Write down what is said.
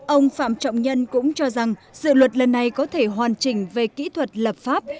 ông phạm trọng nhân cũng cho rằng dự luật lần này có thể hoàn chỉnh về kỹ thuật lập pháp